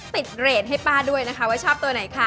เรทให้ป้าด้วยนะคะว่าชอบตัวไหนค่ะ